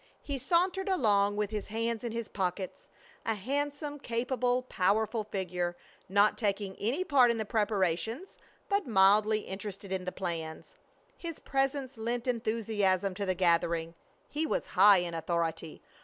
He sauntered along with his hands in his pockets; a handsome, capable, powerful figure; not taking any part in the preparations, but mildly interested in the plans. His presence lent enthusiasm to the gathering. He was high in authority.